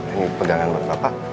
ini pegangan bapak